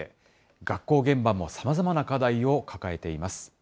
学校現場もさまざまな課題を抱えています。